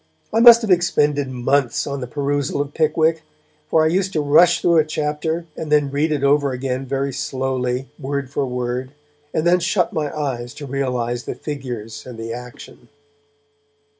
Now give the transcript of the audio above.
I must have expended months on the perusal of Pickwick, for I used to rush through a chapter, and then read it over again very slowly, word for word, and then shut my eyes to realize the figures and the action.